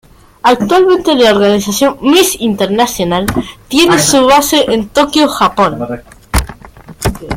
Actualmente, la "Organización Miss Internacional" tiene su base en Tokio, Japón.